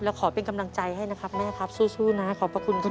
แล้วขอเป็นกำลังใจให้นะครับแม่ครับสู้นะขอบพระคุณครับ